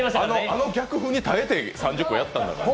あの逆風にたえて３０個やったんやから。